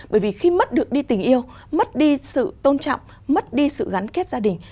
bởi vì khi mất được đi tình yêu mất đi sự tôn trọng mất đi sự gắn kết gia đình